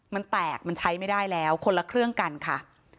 มันแตกมันใช้ไม่ได้แล้วคนละเครื่องกันค่ะ